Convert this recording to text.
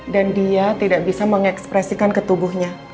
dan dia tidak bisa mengekspresikan ketubuhnya